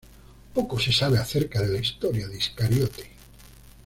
Poco se sabe acerca de la historia de Iscariote.